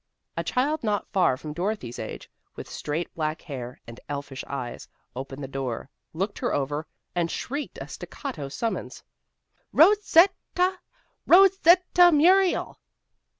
A child not far from Dorothy's age, with straight black hair, and elfish eyes, opened the door, looked her over, and shrieked a staccato summons. "Ro set ta! Ro set ta Muriel!"